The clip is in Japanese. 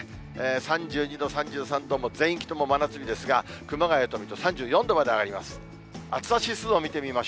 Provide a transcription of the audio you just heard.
３２度、３３度、もう全域とも真夏日ですが、熊谷と水戸３４度まで上がります。